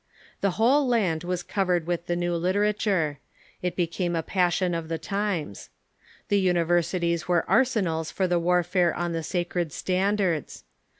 The whole land was covered with the new literature. It became a pas sion of the times. The universities were arsenals for the war fare on the sacred standards.